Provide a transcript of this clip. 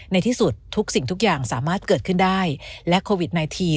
ในที่สุดทุกสิ่งทุกอย่างสามารถเกิดขึ้นได้และโควิด๑๙